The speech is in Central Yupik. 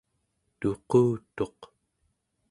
tuqutuq